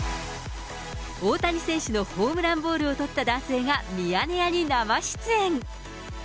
大谷選手のホームランボールを捕った男性がミヤネ屋に生出演。